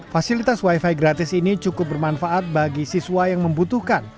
fasilitas wifi gratis ini cukup bermanfaat bagi siswa yang membutuhkan